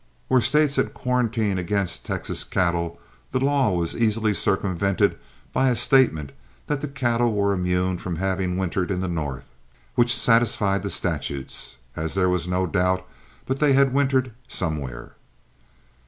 Where States had quarantined against Texas cattle the law was easily circumvented by a statement that the cattle were immune from having wintered in the north, which satisfied the statutes as there was no doubt but they had wintered somewhere.